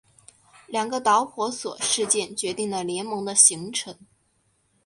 两个导火索事件决定了联盟的形成。